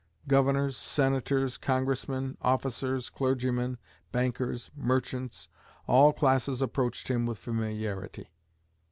Governors, Senators, Congressmen, officers, clergymen, bankers, merchants all classes approached him with familiarity.